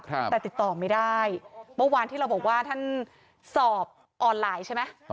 แต่ติดต่อไม่ได้เมื่อวานที่เราบอกว่าท่านสอบออนไลน์ใช่ไหม